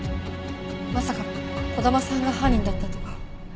まさか児玉さんが犯人だったとか？